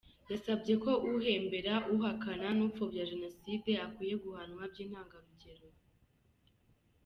Yasabye ko uhembera, uhakana n’upfobya Jenoside akwiye guhanwa by’intangarugero.